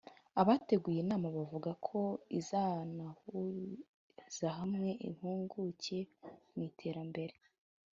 Abateguye iyi nama bavuga ko izanahurizahamwe impuguke mu iterambere